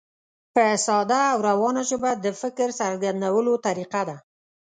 په ساده او روانه ژبه د فکر څرګندولو طریقه ده.